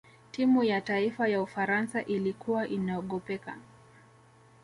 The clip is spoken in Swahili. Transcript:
timu ya taifa ya ufaransa ilikuwa inaogopeka